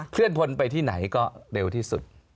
เลื่อนพลไปที่ไหนก็เร็วที่สุด